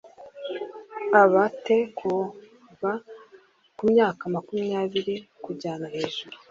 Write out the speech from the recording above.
aba te kuva ku myaka makumyabiri kujyana hejuru